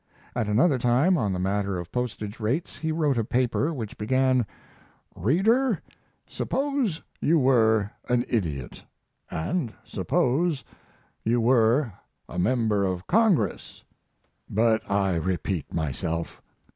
At another time, on the matter of postage rates he wrote a paper which began: "Reader, suppose you were an idiot. And suppose you were a member of Congress. But I repeat myself."